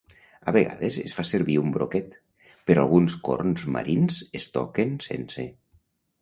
A vegades es fa servir un broquet, però alguns corns marins es toquen sense.